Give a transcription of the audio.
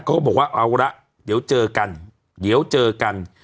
ก็บอกว่าเอาละเดี๋ยวเจอกันเดี๋ยวเจอกัน